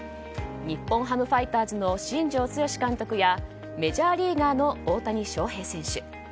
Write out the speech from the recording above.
日本ハムファイターズの新庄剛志監督やメジャーリーガーの大谷翔平選手。